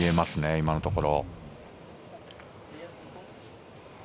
今のところ。